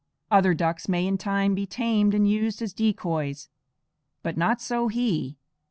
Other ducks may in time be tamed and used as decoys; but not so he.